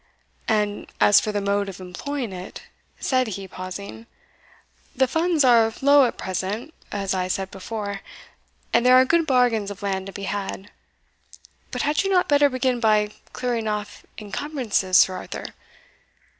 "And as for the mode of employing it," said he, pausing, "the funds are low at present, as I said before, and there are good bargains of land to be had. But had you not better begin by clearing off encumbrances, Sir Arthur?